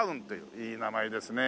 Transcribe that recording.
いい名前ですね。